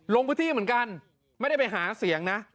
ลงพื้นที่เหมือนกันไม่ได้ไปหาเสียงนะ